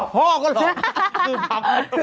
พ่อก็หลอกคือหาพ่อ